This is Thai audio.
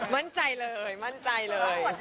มั่นใจเลยมั่นใจเลย